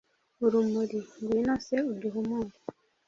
urumuri. ngwino se uduhumure